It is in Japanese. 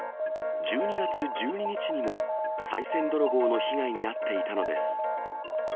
１２月１２日にも、さい銭泥棒の被害に遭っていたのです。